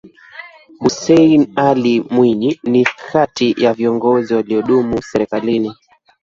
Hussein Ali Mwinyi ni kati ya viongozi waliodumu serikalini